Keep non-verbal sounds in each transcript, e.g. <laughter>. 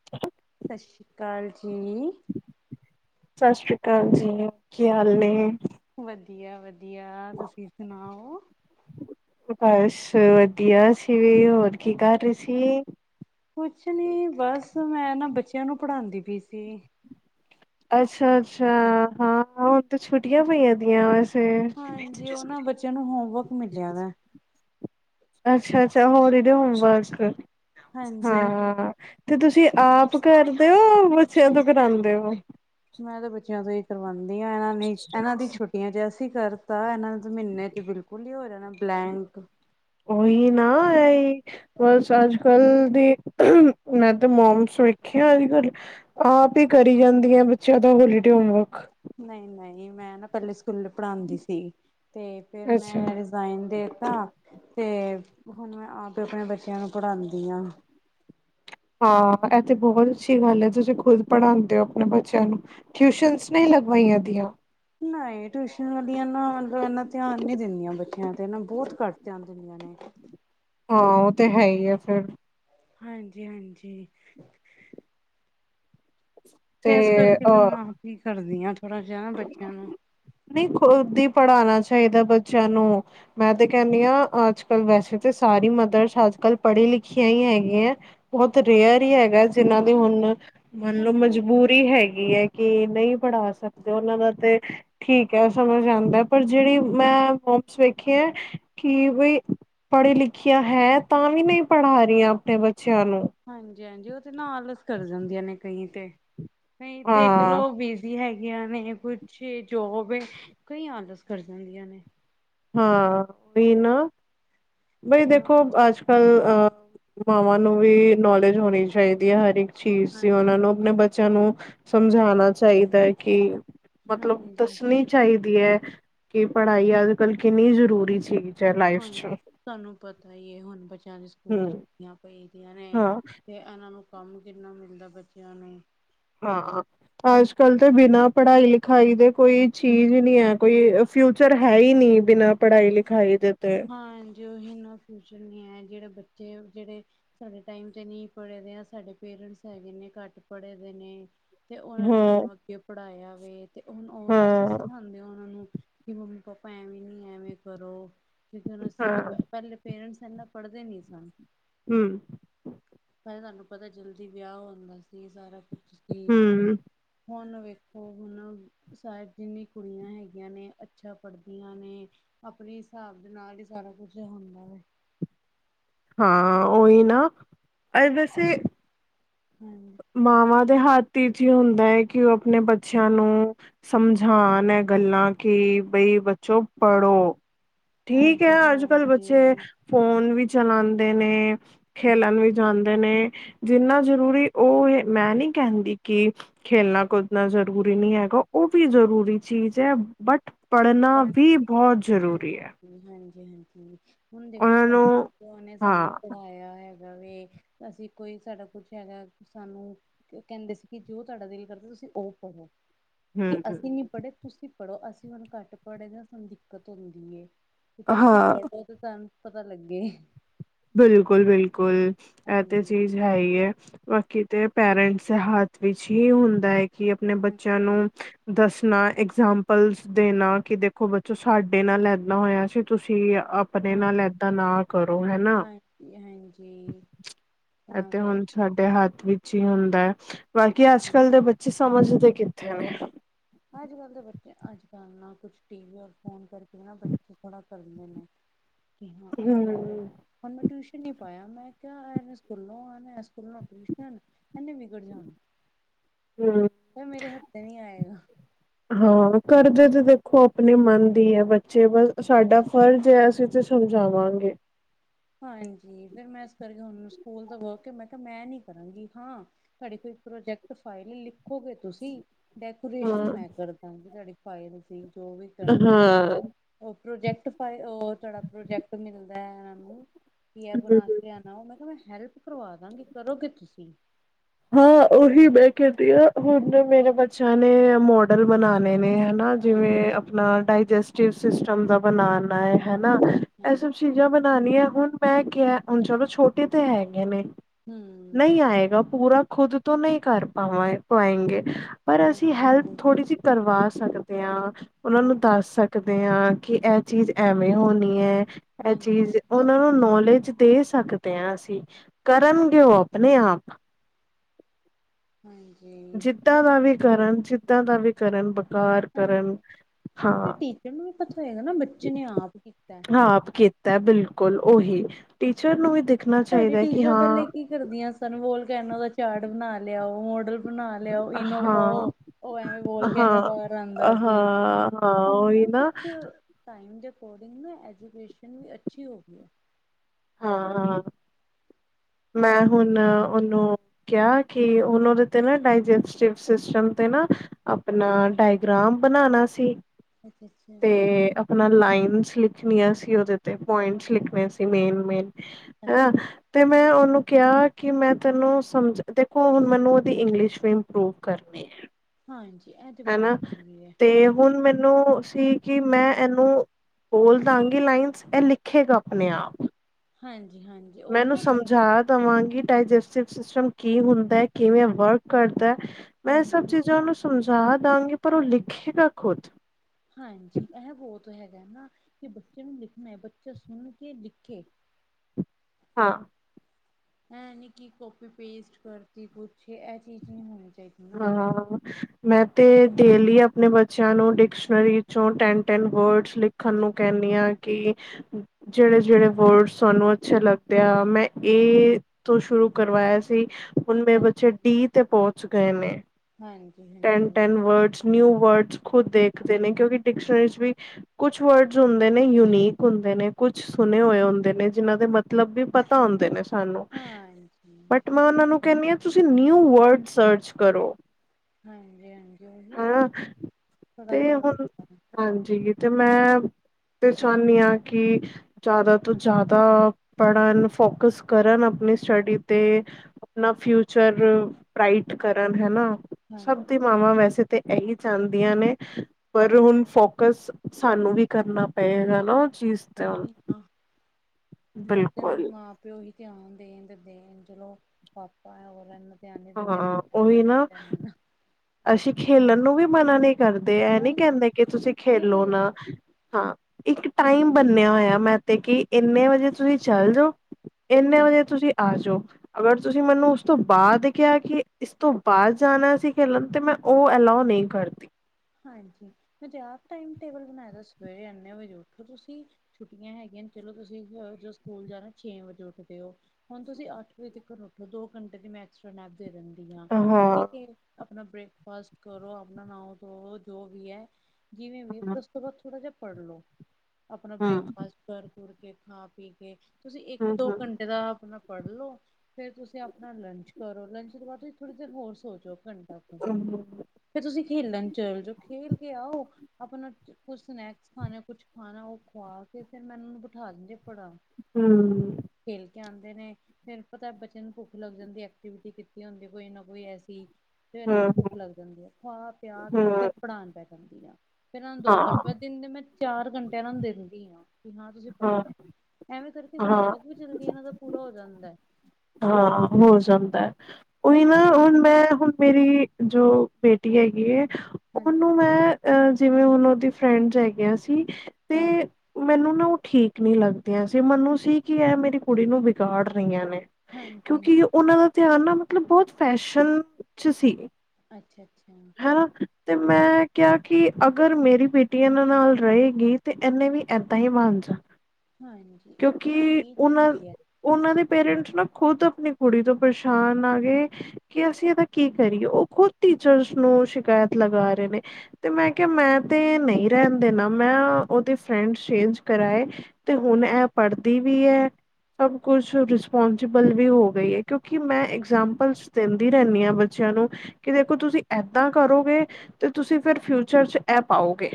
<inaudible> ਸਸਸ਼੍ਰੀਕਾਲ ਜੀ। ਸਸਸ਼੍ਰੀਕਾਲ ਜੀ, ਕੀ ਹਾਲ ਨੇ? ਵਧੀਆ-ਵਧੀਆ, ਤੁਸੀਂ ਸਣਾਓ? ਬਸ ਵਧੀਆ ਅਸੀ ਵੀ, ਹੋਰ ਕੀ ਕਰ ਰਏ ਸੀ? ਕੁੱਛ ਨੀ, ਬਸ ਮੈਂ ਨਾ ਬੱਚਿਆਂ ਨੂੰ ਪੜਾਂਦੀ ਪੀ ਸੀ। ਅੱਛਾ-ਅੱਛਾ ਹਾਂ, ਹੁਣ ਤੇ ਛੁੱਟੀਆਂ ਪਈਆਂ ਦੀਆਂ ਵੈਸੇ। ਬਚਿਆਂ ਨੂੰ ਹੋਵਕ ਵਰਕ ਮਿਲਿਆ ਦੈ। ਅੱਛਾ-ਅੱਛਾ, ਹੋਲੀਡੇ ਹੋਮ ਵਰਕ, ਹਾਂ। ਤੇ ਤੁਸੀਂ ਆਪ ਕਰਦੇ ਓ, ਬੱਚਿਆਂ ਤੋਂ ਕਰਾਂਦੇ ਓ? ਮੈਂ ਤੇ ਬੱਚਿਆਂ ਤੋ ਈ ਕਰਵਾਂਦੀ ਆ, ਐਵੀ ਐਨਾ ਦੀ ਛੁੱਟ ਟਿਆ 'ਚ ਅਸੀਂ ਕਰਤਾ, ਐਨਾ ਨੇ ਤੇ ਮੀਨੇ 'ਚ ਬਿਲਕੁਲ ਈ ਹੋ ਜਨਾ, ਬਲੈਂਕ। ਉਹੀ ਨਾ, ਐ ਈ ਬਸ ਅੱਜ ਕੱਲ ਦੀ, ਮੈਂ ਤੇ ਮੋਮਸ ਵੇਖੀਆਂ ਅੱਜ ਕੱਲ ਆਪ ਈ ਕਰੀ ਯੰਦੀਆਂ, ਬੱਚਿਆਂ ਦਾ ਹੋਲੀਡੇ ਹੋਵਕ। ਨਈ-ਨਈ ਮੈਂ ਨਾ ਪੈਲੇ ਸਕੂਲੇ ਪੜ੍ਹਾਦੀ ਸੀ, ਤੇ ਫੇਰ ਅੱਛਾ। ਮੈਂ ਰ ਜਾਈਨ ਦੇਤਾ, ਤੇ ਹੁਣ ਮੈਂ ਆਪ ਈ ਆਪਣੇ ਬੱਚਿਆਂ ਨੂੰ ਪੜ੍ਹਾਦੀ ਆ। ਹਾਂ ਐ ਤੇ ਬਹੁਤ ਅੱਛੀ ਗੱਲ ਏ, ਤੁਸੀਂ ਖੁਦ ਪੜ੍ਹਾਦੇ ਓ ਆਪਣੇ ਬੱਚਿਆਂ ਨੂੰ। ਟਿਊਸ਼ਨਸ ਨਈ ਲਗਵਾਈਆਂ ਦੀਆਂ? ਨਈ ਟਿਊਸ਼ਨ ਵਲਿਆ ਨਾ ਅੰਦਰੋ ਏਨਾ ਧਿਆਨ ਨੀ ਦਿੰਦੀਆਂ ਬੱਚਿਆਂ ਤੇ ਨਾ, ਬੋਤ ਘੱਟ ਧਿਆਨ ਦਿੰਦੀਆਂ ਨੇ। ਹਾਂ, ਉ ਤੇ ਹੈ ਈ ਐ ਫੇਰ। ਹਾਂਜੀ-ਹਾਂਜੀ। ਤੇ ਐਸ ਕਰਕੇ ਫੇਰ ਮੈਂ ਆਪ ਹੀ ਕਰਦੀ ਆ, ਥੋੜਾ ਜਿਆ ਨਾ ਬੱਚਿਆਂ ਨੂੰ। ਨਈ ਖੁਦ ਈ ਪੜ੍ਹਾਣਾ ਚਾਈਦਾ ਬੱਚਿਆਂ ਨੂੰ। ਮੈਂ ਤੇ ਕੈਨੀ ਆ, ਅੱਜ ਕੱਲ ਵੈਸੇ ਤੇ ਸਾਰੀ ਮਦਰਸ ਅੱਜ ਕੱਲ ਪੜ੍ਹੀਆਂ ਲਿਖੀਆਂ ਈ ਹੈਗੀਐ। ਬਹੁਤ ਰੇਅਰ ਈ ਹੈਗਾ ਜ ਜਿਨਾਂ ਦੀ ਹੁਣ, ਉਹ ਮੰਨਲਓ ਨਾ ਮਜਬੂਰੀ ਹੈਗੀ ਐ ਕਿ ਨਈ ਪੜ੍ਹਾ ਸਕ ਤੇ ਉਹਂਨਾ ਦੇ ਤੇ ਠੀਕ ਐ ਸਮਝ ਆਂਦਾ ਪਰ ਜੇੜੀ ਮੈਂ ਮੋਮਸ ਵੇਖੀਆਂ ਕਿ ਬਈ ਪੜ੍ਹੀ-ਲਿਖਿਆਂ ਹੈ ਤਾਂ ਵੀ ਨਈ ਪੜ੍ਹਾ ਰਿਆ ਆਪਣੇ ਬੱਚਿਆਂ ਨੂੰ। ਹਾਂਜੀ-ਹਾਂਜੀ, ਉਹ ਤੇ ਨਾ ਆਲਸ ਕਰ ਜਾਂਦੀਆਂ ਨੇ ਕਈ ਤੇ ਕਈ ਤੇ ਹਾਂ ਚਲੋ ਬੀਜ ਜੀ ਹੈਗੀਆਂ ਨੇ, ਤੇ ਕੁੱਛ ਜੋਬ, ਕਈ ਆਲਸ ਕਰ ਜਾਂਦਿਆ ਨੇ। ਹਾਂ ਉਈ ਨਾ, ਬਈ ਹਾਂ ਦੇਖੋ ਅੱਜ ਕੱਲ ਅ ਮਾਵਾਂ ਨੂੰ ਵੀ ਨੌਲੇਜ ਹੋਣੀ ਚਾਈਦੀ ਅ ਹਰ ਇਕ ਚੀਜ਼ ਦੀ ਹਾਂਜੀ ਉਹਨਾਂ ਨੂੰ ਆਪਣੇ ਬੱਚਿਆਂ ਨੂੰ ਸਮਝਾਣਾ ਚਾਈਦਾ ਹੈ ਕਿ ਮਤਲਬ ਹਾਂਜੀ ਦਸਣੀ ਚਾਈਦੀ ਐ ਕਿ ਪੜ੍ਹਾਈ ਅੱਜ-ਕੱਲ ਕਿੰਨੀ ਜਰੂਰੀ ਚੀਜ਼ ਹੈ ਲਾਈਫ ਚ ਹਾਂਜੀ, ਤੁਹਾਨੂੰ ਪਤਾ ਈ ਐ ਹੁਣ ਬੱਚਿਆਂ ਦੇ ਸਕੂਲ ਦੀ ਹਮ ਛੁੱਟੀਆਂ ਪਈਦਿਆਂ ਨੇ। ਹਾਂ ਤੇ ਇਹਨਾਂ ਨੂੰ ਕੰਮ ਕਿੰਨਾ ਮਿਲਦਾ ਬੱਚਿਆਂ ਨੂੰ। ਹਾ, ਅੱਜ-ਕੱਲ ਤੇ ਬਿਨਾਂ ਪੜ੍ਹਾਈ-ਲਿਖਾਈ ਦੇ ਕੋਈ ਚੀਜ਼ ਨੀ ਐ ਕੋਈ ਅ ਫਿਊਚਰ ਹੈ ਹੀ ਨਹੀਂ ਬਿਨਾਂ ਪੜ੍ਹਾਈ ਲਿਖਾਈ ਦੇ ਤੇ ਹਾਂਜੀ, ਉਹਹੀ ਨਾ ਫਿਊਚਰ ਨਹੀਂ ਹੈ, ਜਿਹੜੇ ਬੱਚੇ ਜਿਹੜੇ ਸਾਡੇ ਟਾਈਮ ਤੇ ਨਹੀਂ ਪੜ੍ਹੇ ਦੇ ਆ, ਸਾਡੇ ਪੇਰੈਂਟਸ ਹੈਗੇ ਨੇ ਘੱਟ ਪੜ੍ਹੇ ਦੇ ਨੇ। ਤੇ ਉਹਨਾਂ ਨੇ ਹਾਂ ਸਾਨੂੰ ਅੱਗੇ ਪੜ੍ਹਾਇਆ ਵੇ, ਤੇ ਹੁਣ ਉਹ ਅਸੀਂ ਹਾਂ ਸਿਖਾਉਂਦੇ ਉਹਨਾਂ ਨੂੰ। ਕਿ ਮੰਮੀ-ਪਾਪਾ ਐਵੇਂ ਨੀ ਐਵੇਂ ਕਰੋ, ਕਿਉਂਕਿ ਹੁਣ ਅਸੀਂ ਹਾਂ ਪਹਿਲੇ ਪੇਰੈਂਟਸ ਇਂਨਾ ਪੜ੍ਹਦੇ ਨਹੀਂ ਸਨ। ਹੂੰ। ਪਹਲੇ ਤੁਹਾਨੂੰ ਪਤਾ ਜਲਦੀ ਵਿਆਹ ਹੋ ਜਾਂਦਾ ਸੀ ਸਾਰਾ ਕੁਛ ਸੀ। ਹਮ ਹੁਣ ਵੇਖੋ, ਹੁਣ ਸਾਇਦ ਜਿੰਨੀ ਕੁੜੀਆਂ ਹੈਗੀਆਂ ਨੇ ਅੱਛਾ ਪੜ੍ਹਦੀਆਂ ਨੇ। ਆਪਣੇ ਹਿਸਾਬ ਦੇ ਨਾਲ ਹੀ ਸਾਰਾ ਕੁਝ ਹੁੰਦਾ ਵੇ। ਹਾਂ, ਉਹਹੀ ਨਾ ਐ ਵੈਸੇ ਹੂੰ। ਮਾਵਾਂ ਦੇ ਹੱਥ ਵਿਚ ਹੀ ਹੁੰਦਾ ਹੈ ਕਿ ਉਹ ਆਪਣੇ ਬੱਚਿਆਂ ਨੂੰ ਸਮਝਾਨ ਇਹ ਗੱਲਾਂ ਕਿ ਬਈ ਬੱਚੋ ਪੜ੍ਹੋ। ਠੀਕ ਹੈ ਹਾਂਜੀ-ਹਾਂਜੀ ਅੱਜ-ਕੱਲ ਬੱਚੇ ਫੋਨ ਵੀ ਚਲਾਉਂਦੇ ਨੇ, ਖੇਲਣ ਵੀ ਜਾਂਦੇ ਨੇ ਜਿੰਨਾ ਜ਼ਰੂਰੀ ਉਹ ਏ ਮੈਂ ਨਹੀਂ ਕਹਿੰਦੀ ਕਿ ਖੇਲਣਾ-ਕੁਦਨਾ ਜ਼ਰੂਰੀ ਨਹੀਂ ਹੈਗਾ, ਉਹ ਵੀ ਜ਼ਰੂਰੀ ਚੀਜ਼ ਹੈ ਬਟ ਪੜ੍ਹਨਾ ਵੀ ਬਹੁਤ ਜ਼ਰੂਰੀ ਹੈ। ਹਾਂਜੀ-ਹਾਂਜੀ, ਹੁਣ ਦੇਖੋ ਉਹਨਾਂ ਸਾਡੇ ਨੂੰ ਮਾਂ-ਪਿਓ ਨੇ ਹਾਂ ਸਾਨੂੰ ਪੜ੍ਹਾਇਆ ਹੈ। ਜਿਵੇ ਅਸੀਂ ਕੋਈ ਸਾਡਾ ਕੁਛ ਹੈਗਾ ਸਾਨੂੰ ਕਹਿੰਦੇ ਸੀ ਕਿ ਜੋ ਤੁਹਾਡਾ ਦਿਲ ਕਰਦਾ ਤੁਸੀਂ ਉਹ ਪੜੋ। ਹਮ ਵੀ ਹਮ ਅਸੀਂ ਨਈ ਪੜ੍ਹੇ, ਤੁਸੀਂ ਪੜ੍ਹੋ ਅਸੀਂ ਹੁਣ ਘੱਟ ਪੜ੍ਹੇ ਹਾਂ ਸਾਨੂੰ ਦਿੱਕਤ ਹੁੰਦੀ ਹੇ। ਕਿ ਤੁਸੀਂ ਹਾਂ ਪੜ੍ਹੋ ਤੇ ਤੁਹਾਨੂੰ ਪਤਾ ਲੱਗੇ। ਬਿਲਕੁਲ-ਬਿਲਕੁਲ, ਇਹ ਤੇ ਹਾਂਜੀ-ਹਾਂਜੀ ਚੀਜ਼ ਹੈਹੀ ਹੇ, ਬਾਕੀ ਤੇ ਪੇਰੈਂਟਸ ਦੇ ਹੱਥ ਵਿੱਚ ਹੀ ਹੁੰਦਾ ਹੈ। ਕਿ ਆਪਣੇ ਬੱਚਿਆਂ ਨੂੰ ਦੱਸਣਾ ਇਗਜ਼ਾਮਪਲਸ ਦੇਣਾ, ਕਿ ਦੇਖੋ ਬੱਚੋ ਸਾਡੇ ਨਾਲ ਇੱਦਾ ਹੋਇਆ ਸੀ। ਤੁਸੀਂ ਆਪ ਏਦੇ ਹਾਂ ਨਾਲ ਏਦਾਂ ਨਾ ਕਰੋ ਹੈਨਾ। ਹਾਂਜੀ-ਹਾਂਜੀ, ਤਾਂ ਕਰਕੇ ਤੁਹਾਢੇ ਹੱਥ ਵਿੱਚ ਹੀ ਹੁੰਦਾ ਹੈ, ਬਾਕੀ ਅੱਜ-ਕੱਲ ਦੇ ਬੱਚੇ ਸਮਝਦੇ ਕਿੱਥੇ ਨੇ। ਅੱਜ-ਕੱਲ੍ਹ ਦੇ ਬੱਚੇ, ਅੱਜ-ਕੱਲ੍ਹ ਨਾ ਕੁਛ ਟੀ ਵੀ ਔਰ ਫੋਨ ਕਰਕੇ ਨਾ ਬੱਚੇ ਥੋੜ੍ਹਾ ਕਰਦੇ ਨੇ। <inaudible> ਜੀ ਹਾਂ ਅਸੀਂ ਐਵੇ। ਹੂੰ ਹੁਣ ਮੈਂ ਟਿਊਸ਼ਨ ਨੀ ਪਾਇਆ। ਮੈਂ ਕਿਹਾ ਇਹਨੇ ਸਕੂਲੋਂ ਆਉਣਾ, ਸਕੂਲੋਂ ਟਿਊਸ਼ਨ। ਏਨੇ ਵਿਗੜ ਜਾਣਾ। ਹੂੰ। ਫਿਰ ਮੇਰੇ ਹੱਥੇ ਨਹੀਂ ਆਏਗਾ। ਹਾਂ ਕਰਦੇ ਤੇ ਵੇਖੋ ਆਪਣੇ ਮਨ ਦੀ ਬੱਚੇ, ਬਸ ਸਾਡਾ ਫਰਜ ਹੈ, ਅਸੀਂ ਤੇ ਸਮਝਾਵਾਂਗੇ। ਹਾਂਜੀ, ਫਿਰ ਮੈਂ ਇਸ ਕਰਕੇ ਹੁਣ ਸਕੂਲ ਦਾ ਵਰਕ ਹੈ, ਮੈਂ ਕਿਹਾ ਮੈਂ ਨੀ ਕਰਾਂਗੀ, ਹਾਂ। ਤੁਹਾਡੀ ਕੋਈ ਪ੍ਰੋਜੈਕਟ ਫਾਈਲ, ਲਿਖੋਗੇ ਤੁਸੀਂ। ਡੈਕੋਰੇਸ਼ਨ ਮੈਂ ਹਾਂ ਕਰਦਾਂਗੀ ਤੁਹਾਡੀ ਫਾਇਲ ਦੀ ਜੋ ਵੀ ਕਰਨਾ। ਹਾਂ। ਉਹ ਪ੍ਰੋਜੈਕਟ ਫਾਇਲ, ਉਹ ਤੁਹਾਡਾ ਪ੍ਰੋਜੈਕਟ ਮਿਲਦਾ ਹੈ। ਇਹਨਾਂ ਨੂੰ ਕੀ ਅਹ ਬਣਾ ਹੂੰ ਕੇ ਆਉਣਾ, ਮੈਂ ਕਿਹਾ ਮੈਂ ਹੈਲਪ ਕਰਵਾ ਦਾਂਗੀ, ਕਰੋਗੇ ਤੁਸੀਂ। ਹਾਂ ਉਹੀ ਮੈਂ ਕਹਿੰਦੀ ਹਾਂ। ਹੁਣ ਮੇਰੇ ਬੱਚਿਆਂ ਨੇ ਮੋਡਲ ਬਨਾਨੇ ਨੇ। ਹਾਂ ਜਿਵੇਂ ਹਾਂਜੀ ਆਪਣਾ ਡਾਇਜਸਟਿਵ ਸਿਸਟਮ ਦਾ ਬਣਾਨਾ ਹੈਨਾ। ਹਾਂਜੀ ਇਹ ਹਾਂਜੀ ਸ ਚੀਜ਼ਾਂ ਬਣਾਨਣੀਆ, ਹੁਣ ਮੈਂ ਕਿਹਾ ਹੁਣ ਚਲੋ ਛੋਟੇ ਤਾਂ ਹੈਗੇ ਨੇ। ਹੂੰ ਨਹੀਂ ਆਏਗਾ, ਪੂਰਾ ਖੁਦ ਤੋਂ ਨਹੀਂ ਕਰ ਪਾਵ, ਪਾਏਂਗੇ। ਪਰ ਅਸੀਂ ਹੈਲਪ ਹਾਂਜੀ ਥੋੜ੍ਹੀ ਜਿਹੀ ਕਰਵਾ ਸਕਦੇ ਹਾਂ। ਉਹਨਾਂ ਹਾਂ ਨੂੰ ਦੱਸ ਸਕ ਸਕਦੇ ਹਾਂ, ਕਿ ਇਹ ਚੀਜ਼ ਐਵੇਂ ਹੋਣੀ ਹੈ, ਇਹ ਹਾਂਜੀ ਚੀਜ਼ ਹਾਂਜੀ ਉਹਨਾਂ ਉਹੀ ਨੂੰ ਚੀਜ਼, ਨੌਲੇਜ ਦੇ ਸਕਦੇ ਹਾਂ ਅਸੀਂ, ਕਰਨਗੇ ਉਹ ਆਪਣੇ ਆਪ। ਹਾਂਜੀ। ਇੱਦਾਂ ਦਾ ਵੀ ਕਰਨ, ਜਿੱਦਾਂ ਦਾ ਵੀ ਕਰਨ, ਬੇਕਾਰ ਕਰਨ ਹਾਂਜੀ ਫਿਰ ਹਾਂ ਟੀਚਰ ਨੂੰ ਵੀ ਪਤਾ ਹੋਏਗਾ ਨਾ, ਬੱਚੇ ਨੇ ਆਪ ਕੀਤਾ। ਹਾਂ ਆਪ ਕੀਤਾ ਬਿਲਕੁਲ ਉਹੀ, ਟੀਚਰ ਨੂੰ ਵੀ ਦੇਖਣਾ ਸਾਡੇ ਚਾਹੀਦਾ ਹੈ ਕਿ ਟੀਚਰਾਂ ਹਾਂ। ਪਹਿਲੇ ਕੀ ਕਰਦੀਆਂ ਸਨ ਬੋਲ ਕੇ ਇਹਨਾ ਦਾ ਚਾਰਟ ਬਣਾ ਲਿਆ ਉਹ ਮੋਡਲ ਬਣਾ ਲਿਆਓ ਇਨੋ ਹਾਂ ਪਾਓ ਉਹ ਐਵੇਂ ਬੋਲ ਕੇ ਇਹਨੂੰ ਹਾਂ ਬਾਹਰ ਆਉਂਦਾ ਹਾਂ ਸੀ ਹਾਂ ਹੁਣ ਉਹੀ ਨਾ ਟਾਈਮ ਦੇ ਅਕੋਰਡਿੰਗ ਨਾ ਐਜੂਕੇਸ਼ਨ ਵੀ ਅੱਛੀ ਹੋ ਗਈ ਹੈ। ਹਾਂ, ਹਾਂ। ਮੈਂ ਹੁਣ, ਉਹਨੂੰ ਕਿਹਾ ਕਿ ਹੁਣ ਉਹਦੇ ਤੇ ਨਾ ਡਾਇਜੈਸਟਿਵ ਸਿਸਟਮ ਤੇ ਨਾ ਆਪਣਾ ਡਾਇਗ੍ਰਾਮ ਬਣਾਣਾ ਸੀ ਅੱਛਾ ਅੱਛਾ ਤੇ ਅਪ ਆਪਣਾ ਲਾਈਨਸ ਲਿਖਣੀਆਂ ਸੀ ਉਹਦੇ ਤੇ, ਪੁਆਇੰਟਸ ਲਿਖਣੇ ਸੀ ਮੇਨ- ਮੇਨ ਹੈਂ ਅੱਛਾ। ਤੇ ਮੈਂ ਉਹਨੂੰ ਕਿਹਾ ਕਿ ਮੈਂ ਤੈਨੂੰ ਸਮਝ, ਦੇਖੋ ਹੁਣ ਮੈਨੂੰ ਉਹਦੀ ਇੰਗਲਿਸ਼ ਵੀ ਇੰਪਰੂਵ ਕਰ <unintelligible> ਹਾਂਜੀ ਐ ਹੈਨਾ, ਤੇ ਹੁਣ ਮੈਨੂੰ ਕੀ-ਕੀ ਮੈਂ ਇਹਨੂੰ ਬੋਲ ਦਾਂਗੀ ਲਾਈਨਸ, ਇਹ ਲਿਖੇਗਾ ਆਪਣੇ- ਆਪ। ਹਾਂਜੀ, ਹਾਂਜੀ ਉਹ ਨਾ ਬੱਚੇ ਤੇ ਦਵਾਂਗੀ, ਡਾਇਜੈਸਟਿਵ ਸਿਸਟਮ ਕੀ ਹੁੰਦਾ ਹੈ, ਕਿਵੇਂ ਵਰਕ ਕਰਦਾ ਮੈਂ ਸਭ ਹਾਂਜੀ। ਚੀਜ਼ਾਂ ਉਹਨੂੰ ਸਮਝਾ ਦਾਂਗੀ, ਪਰ ਉਹ ਲਿਖੇਗਾ ਖੁਦ। ਹਾਂਜੀ, ਇਹ ਬਹੁਤ ਹੈਗਾ ਨਾ, ਕਿ ਬੱਚੇ ਨੂੰ ਲਿਖਣਾ ਹੈ, ਬੱਚਾ ਸੁਣ ਕੇ ਲਿਖੇ। ਹਾਂ। ਇਹ ਨੀ ਕਿ ਕੋਪੀ ਪੇਸਟ ਕਰਤੀ ਕੁਛ, ਇਹ ਚੀਜ਼ ਨਹੀਂ ਹੋਣੀ ਚਾਹੀਦੀ। ਨਾ। ਹਾਂ-ਹਾਂ ਮੈਂ ਤੇ ਡੇਲੀ ਆਪਣੇ ਬੱਚਿਆਂ ਨੂੰ ਡਿਕਸ਼ਨਰੀ 'ਚੋਂ ਟੈਨ, ਟੈਨ ਵਰਡਸ ਲਿਖ ਖਣ ਨੂੰ ਕਹਿੰਨੀ ਆਂ ਕੀ ਜਿਹੜੇ ਜਿਹੜੇ ਵਰਡ ਸਾਨੂੰ ਅੱਛੇ ਲੱਗਦੇ ਆ ਮੈਂ ਇਹ ਤੋਂ ਸ਼ੁਰੂ ਕਰਵਾਇਆ ਸੀ ਹੁਣ ਮੇਰੇ ਬੱਚੇ ਹਾਂਜੀ। ਡੀ ਤੇ ਪਹੁੰਚ ਗਏ ਨੇ ਹਾਂਜੀ ਟੈਨ ਹਾਂਜੀ ਟੈਨ ਵਰਡਸ ਨਿਊ ਵਰਡਸ ਖੁਦ ਦੇਖਦੇ ਨੇ ਕਿਉਂਕਿ ਡਿਕਸ਼ਨਰੀਜ਼ ਵੀ ਕੁਛ ਵਰਡਸ ਹੁੰਦੇ ਨੇ ਯੂਨੀਕ ਹੁੰਦੇ ਨੇ ਕੁਛ ਸੁਣੇ ਹੋਏ ਹੁੰਦੇ ਨੇ ਜਿਨਾਂ ਦੇ ਮਤਲਬ ਵੀ ਪਤਾ ਹੁੰਦੇ ਨੇ ਸਾਨੂੰ ਹਾਂਜੀ ਬਟ ਮੈਂ ਉਹਨਾਂ ਨੂੰ ਕਹਿੰਨੀ ਆ ਤੁਸੀਂ ਨਿਊ ਵਰਡ ਸਰਚ ਕਰੋ ਹਾਂਜੀ ਹਾਂਜੀ ਉਹੀ ਹੈਂ ਨਾ ਥੋੜਾ ਤੇ ਜਿਹਾ ਹੁਣ <unintelligible> ਹਾਂਜੀ ਤੇ ਮੈਂ ਤੇ ਚਾਹੁੰਨੀ ਆਂ ਕੀ ਜ਼ਿਆਦਾ ਤੋਂ ਜ਼ਿਆਦਾ ਪੜ੍ਹਨ ਫੋਕਸ ਕਰਨ ਆਪਣੀ ਸਟੱਡੀ ਤੇ ਆਪਣਾ ਫਿਊਚਰ ਬਰਾਈਟ ਕਰਨ ਹੈਨਾ ਸਭ ਹਾਂਜੀ ਦੇ ਮਾਵਾਂ ਵੈਸੇ ਤਾਂ ਐਹੀ ਚਾਹਦੀਆਂ ਨੇ ਪਰ ਹੁਣ ਫੋਕਸ ਸਾਨੂੰ ਵੀ ਕਰਨਾ ਪਏ ਹੈਗਾ ਨਾ ਉਹ ਚੀਜ਼ ਤੇ ਹੁਣ ਉਹੀ ਤਾਂ ਬੱਚੇ ਬਿਲਕੁਲ ਨੂੰ ਆਪ ਪਿਓ ਹੀ ਧਿਆਨ ਦੇਣ ਤਾਂ ਦੇਣ ਜਲੋਂ ਪਾਪਾ ਹੈ ਉਹ <unintelligible> ਧਿਆਨ ਨੀ ਦਿੰਦੇ ਮਮਾ ਉਹਦੇ ਧਿਆਨ ਦੇਣਾ ਨ <unintelligible> ਅਸ਼ੀ ਖੇਲਣ ਨੂੰ ਵੀ ਮਨਾ ਨਹੀਂ ਕਰਦੇ ਇਹ ਨੀ ਹਾਂਜੀ ਕਹਿੰਦੇ ਕਿ ਤੁਸੀਂ ਮੈਂ ਖੇਲੋ ਤੇ ਨਾ ਹਾਂ ਇੱਕ ਟਾਈਮ ਹਾਂਜੀ ਬਨਿਆ ਹੋਇਆ ਮੈਂ ਤੇ ਕੀ ਇੰਨੇ ਵਜੇ ਤੁਸੀਂ ਚੱਲ ਜੋ ਇੰਨੇ ਹਾਂ। ਵਜੇ ਤੁਸੀਂ ਆਜੋ ਅਗਰ ਤੁਸੀਂ ਮੈਨੂੰ ਉਸ ਤੋਂ ਬਾਅਦ ਕਿਹਾ ਕਿ ਇਸ ਤੋਂ ਬਾਅਦ ਜਾਨਾ ਸੀ ਖੇਲਣ ਤੇ ਮੈਂ ਉਹ ਐਲਾਓ ਨੀ ਕਰਦੀ ਹਾਂਜੀ, ਮੈਂ ਤੇ ਆਪ ਟਾਈਮ ਟੇਬਲ ਬਣਾਏ ਦਾ ਸਵੇਰੇ ਇੰਨੇ ਵਜੇ ਉੱਠੋ ਤੁਸੀਂ ਛੁੱਟੀਆਂ ਹੈਗੀਆਂ ਨੇ ਚਲੋ, ਤੁਸੀਂ <unintelligible> ਜੋ ਸਕੂਲ ਜਾਣਾ ਛੇ ਵਜੇ ਉੱਠਦੇ ਹੋ ਹੁਣ ਤੁਸੀਂ ਅੱਠ ਵਜੇ ਤੀਕਰ ਉੱਠੋ ਦੋ ਘੰਟੇ ਦੀ ਮੈਂ ਟਰਾ ਨੈਪ ਦੇ ਦਿੰਦੀ ਆਂ ਹਾਂ ਠੀਕ ਹੈ। ਹਾਂ ਆਪਣਾ ਬ੍ਰੇਕਫਾਸਟ ਕਰੋ ਆਪਣਾ ਨਾਓ <unintelligible> ਜੋ ਵੀ ਐ ਜਿਵੇਂ ਵੀ ਐ ਫਿਰ ਉਸ ਤੋਂ ਬਾਅਦ ਥੋੜਾ ਜਿਹਾ ਪੜ੍ਹ ਲੋ ਆਪਣਾ ਹਮ ਬ੍ਰੇਕਫਾਸਟਾਰ ਕਰ ਕੁਰ ਕੇ ਖਾ ਪੀ ਕੇ ਤੁਸੀਂ ਇੱਕ-ਦੋ ਹਮ ਘੰਟੇ ਦਾ ਆਪਣਾ ਪੜ੍ਹ ਲੋ ਫੇਰ ਤੁਸੀਂ ਆਪਣਾ ਲੰਚ ਕਰੋ ਲੰਚ ਤੋਂ ਬਾਅਦ ਤੁਸੀਂ ਥੋੜੀ ਦੇਰ ਹੋਰ ਸੋਜੋ ਘੰ <unintelligible> ਹਮ ਫਿਰ ਤੁਸੀਂ ਖੇਲਣ ਚੱਲ ਜੋ ਖੇਲ ਕੇ ਆਓ ਆਪਣਾ ਕੁਛ ਸਨੈਕਸ ਖਾਣਾ ਕੁਛ ਖਾਣਾ ਉਹ ਖਵਾ ਕੇ ਫਿਰ ਮੈਂ ਉਹ ਨੂੰ ਬਿਠਾ ਦਿੰਦੇ ਪੜਨ ਹਮ ਖੇਲ ਕੇ ਆਂਦੇ ਨੇ ਫੇਰ ਪਤਾਂ ਬੱਚੇ ਨੂੰ ਭੁੱਖ ਲੱਗ ਜਾਂਦੀ ਹੈ ਐਕਟੀਵਿਟੀ ਕੀਤੀ ਹੁੰਦੀ ਹੈ, ਕੋਈ ਨਾ ਕੋਈ ਐਸੀ ਤੇ ਇਹਨਾਂ ਨੂੰ ਹਾਂ ਭੁੱਖ ਲੱਗ ਜਾਂਦੀ ਆ ਖਵਾ ਪਿਆ ਕੇ ਮੈਂ ਫੇਰ ਪੜ੍ਹਾਉਣ ਪੈ ਜਾਂਦੀ ਆ ਫਿਰ ਇਹਨਾਂ ਨੂੰ ਦੋ ਘੰਟੇ ਦਿਨ ਦੇ ਮੈਂ ਚਾਰ ਘੰਟੇ ਇਹਨਾਂ ਨੂੰ ਦੇ ਦਿੰਦੀ ਹਾਂ ਕਿ ਹਾਂ ਤੁਸੀਂ ਪੜ੍ਹਨਾ ਐ ਐਵੇਂ ਕਰਕੇ ਹਾਂ ਹੋਮਵਕ ਵੀ ਜਲਦੀ ਇਹਨਾਂ ਦਾ ਪੂਰਾ ਹੋ ਜਾਂਦਾ ਐ ਹਾਂ ਹੋ ਜਾਂਦਾ ਐ ਉਹੀ ਨਾ ਹੁਣ ਮੈਂ ਹੁਣ ਮੇਰੀ ਜੋ ਬੇਟੀ ਹੈਗੀ ਐ ਹਾਂ ਉਹਨੂੰ ਮੈਂ ਅ ਜਿਵੇਂ ਹੁਣ ਉਹਦੀ ਫਰੈਂਡਸ ਹੈਗੀਆਂ ਸੀ ਤੇ ਹਾਂ ਮੈਨੂੰ ਨਾ ਉਹ ਠੀਕ ਨਹੀਂ ਲੱਗਦੀਆਂ ਸੀ ਮੈਨੂੰ ਸੀ ਕਿ ਇਹ ਮੇਰੀ ਕੁੜੀ ਨੂੰ ਵਿਗਾੜ ਰਹੀਆਂ ਨੇ ਹਾਂਜੀ ਕਿਉਂਕਿ ਹਾਂਜੀ। ਉਹਨਾਂ ਦਾ ਧਿਆਨ ਨਾ ਮਤਲਬ ਬਹੁਤ ਫੈਸ਼ਲ ਚ ਸੀ ਅੱਛਾ ਅੱਛਾ ਹਨਾ ਤੇ ਮੈਂ ਕਿਹਾ ਕਿ ਅਗਰ ਮੇਰੀ ਬੇਟੀ ਇਹਨਾਂ ਨਾਲ ਰਹੇਗੀ ਤੇ ਐ ਹਨੇ ਵੀ ਏਦਾਂ ਹੀ ਬਣ ਜ ਹਾਂਜੀ, ਇੱਕ ਤਾਂ ਏਜ ਉਹਨਾਂ ਹੁੰਦੀ ਹੈ। ਉਹਨਾਂ ਦੇ ਪੇਰੈਂਟਸ ਨਾ, ਖੁਦ ਆਪਣੀ ਕੁੜੀ ਤੋਂ ਪਰੇਸ਼ਾਨ ਆ ਗਏ। ਕਿ ਅਸੀਂ ਇਹਦਾ ਕੀ ਕਰੀਏ? ਉਹ ਖੁਦ ਟੀਚਰਸ ਨੂੰ ਸ਼ਿਕਾਇਤ ਲਗਾ ਰਹੇ ਨੇ। ਤੇ ਮੈਂ ਕਿਹਾ, ਮੈਂ ਤੇ ਨਹੀਂ ਰਹਿਣ ਦੇਣਾ। ਮੈਂ ਉਹਦੇ ਫਰੈਂਡ ਚੇਂਜ ਕਰਾਏ। ਤੇ ਹੁਣ ਇਹ ਪੜ੍ਹਦੀ ਵੀ ਹੈ, ਸਭ ਕੁਛ ਰਿਸਪੋਂਸ ਵੀ ਹੋ ਗਈ ਹੈ, ਕਿਉਂਕਿ ਮੈਂ ਇਗਜਾਮਪਲਸ ਦਿੰਦੀ ਰਹਿੰਦੀ ਹਾਂ ਬੱਚਿਆਂ ਨੂੰ। ਕਿ ਦੇਖੋ, ਤੁਸੀਂ ਏਦਾਂ ਕਰੋਗੇ ਤੇ ਤੁਸੀਂ ਫਿਰ ਫਿਊਚਰ 'ਚ ਇਹ ਪਾਓਗੇ।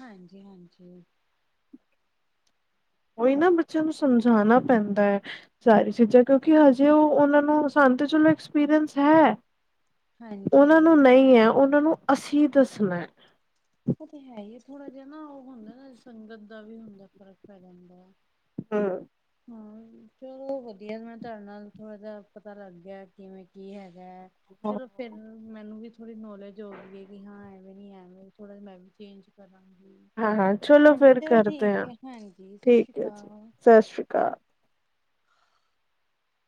ਹਾਂਜੀ, ਹਾਂਜੀ। ਉਹੀ ਨਾ, ਬੱਚਿਆਂ ਨੂੰ ਸਮਝਾਉਣਾ ਪੈਂਦਾ ਹੈ। ਸਾਰੀ ਚੀਜ਼ਾਂ ਕਿਉਂਕਿ ਹਜੇ ਉਹ ਉਹਨਾਂ ਨੂੰ, ਸਾਨਤ ਚਲੋ ਐਕਸਪੀਰੀਅੰਸ ਹੈ। ਉਹਨਾਂ ਨੂੰ ਹਾਂਜੀ। ਨਹੀਂ ਹੈ, ਉਹਨਾਂ ਨੂੰ ਅਸੀਂ ਦੱਸਣਾ। ਉਹ ਤਾਂ ਹੈ ਹੀ, ਥੋੜਾ ਜਿਹਾ ਨਾ ਉਹ ਹੁੰਦਾ ਨਾ ਸੰਗਤ ਦਾ ਵੀ ਹੁੰਦਾ, ਫ਼ਰਕ ਪੈ ਜਾਂਦਾ। ਹਾਂ। ਹਾਂ ਚਲੋ ਵਧੀਆ, ਮੈਂ ਤੁਹਾਡੇ ਨਾਲ ਥੋੜਾ ਜਾ ਪਤਾ ਲੱਗ ਗਿਆ, ਕਿਵੇਂ ਕੀ ਹੈਗਾ ਹੈ। ਚਲੋ ਫੇਰ ਮੈਨੂੰ ਵੀ ਥੋੜ੍ਹੀ ਨੌਲੇਜ ਹੋ ਗਈ ਹੈ ਕਿ ਹਾਂ, ਐਵੇਂ ਨੀ ਐਵੇਂ, ਥੋੜਾ ਜ ਮੈਂ ਵੀ ਚੇਂਜ ਕਰਾਂ ਹਾਂਜੀ, ਹਾਂ ਹਾਂ ਚਲੋ ਫਿਰ ਚਲੋ ਕਰਦੇ ਠੀਕ ਹਾਂ ਹੈ, ਹਾਂਜੀ ਸਤਿ ਸ੍ਰੀ ਠੀਕ ਹੈ ਜੀ ਅਕਾਲ। ਸਤਿ ਸ਼੍ਰੀ ਅਕਾਲ।